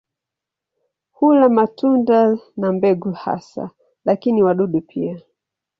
Hula matunda na mbegu hasa, lakini wadudu pia.